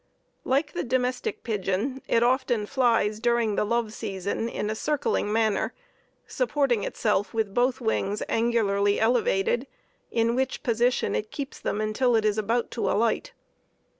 Like the domestic pigeon, it often flies, during the love season, in a circling manner, supporting itself with both wings angularly elevated, in which position it keeps them until it is about to alight.